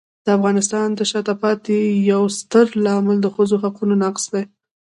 د افغانستان د شاته پاتې والي یو ستر عامل ښځو حقونو نقض دی.